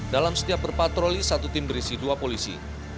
dalam setiap berpatroli satu tim berisi dua polisi